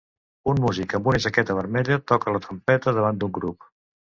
Un músic amb una jaqueta vermella toca la trompeta davant d'un grup.